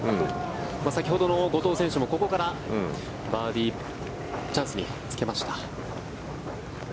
先ほどの後藤選手もここからバーディーチャンスにつけました。